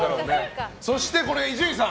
そして、伊集院さん